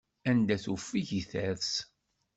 Anda tufeg i ters.